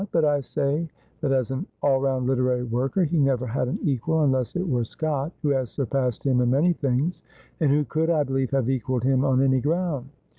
But I say that as an all round literary worker he never had an equal, unless it were Scott, who has surpassed him in many things, and who could, I believe, have equalled him on any ground.'